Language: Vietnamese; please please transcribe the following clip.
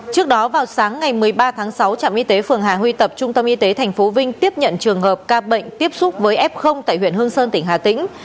trước đó vào sáng ngày một mươi ba tháng sáu trạm y tế phường hà huy tập trung tâm y tế tp vinh tiếp nhận trường hợp ca bệnh tiếp xúc với f tại huyện hương sơn tỉnh hà tĩnh